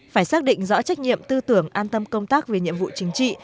phải xác định rõ trách nhiệm tư tưởng an tâm công tác về nhiệm vụ chính trị